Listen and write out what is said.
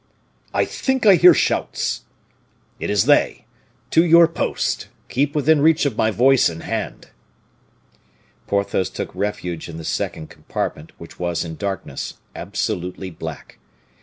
"I think I hear shouts." "It is they! To your post. Keep within reach of my voice and hand." Porthos took refuge in the second compartment, which was in darkness, absolutely black.